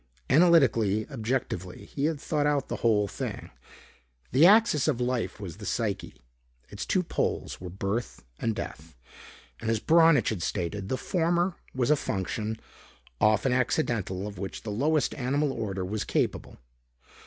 Analytically, objectively, he had thought out the whole thing. The axis of life was the psyche. Its two poles were birth and death. And, as Braunitsch had stated, the former was a function, often accidental, of which the lowest animal order was capable.